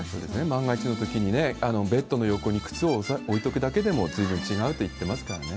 万が一のときに、ベッドの横に靴を置いとくだけでも、ずいぶん違うといってますからね。